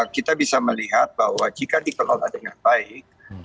kita bisa melihat bahwa jika dikelola dengan baik